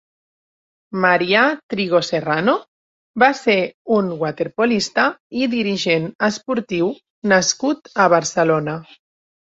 Marià Trigo Serrano va ser un waterpolista i dirigent esportiu nascut a Barcelona.